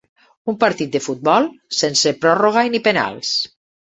Un partit de futbol, sense pròrroga ni penals.